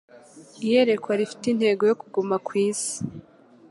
Iyerekwa rifite intego yo kuguma ku isi